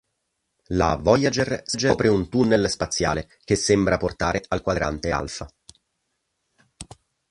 La "Voyager" scopre un tunnel spaziale che sembra portare al quadrante Alfa.